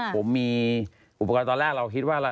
ผมมีอุปกรณ์ตอนแรกเราคิดว่า